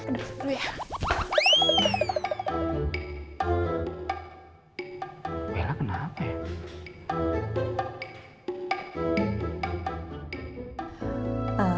bella kenapa ya